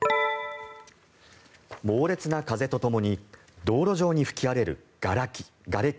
猛烈な風とともに道路上に吹き荒れるがれき。